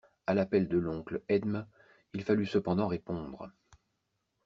A l'appel de l'oncle Edme, il fallut cependant répondre.